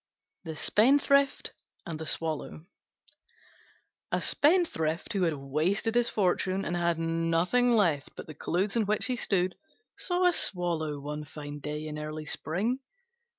THE SPENDTHRIFT AND THE SWALLOW A Spendthrift, who had wasted his fortune, and had nothing left but the clothes in which he stood, saw a Swallow one fine day in early spring.